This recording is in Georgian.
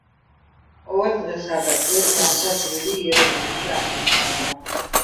ყოველ დღესა და თვეს განსაზღვრული იეროგლიფი აღნიშნავდა.